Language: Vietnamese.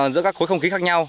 giữa các khối không khí khác nhau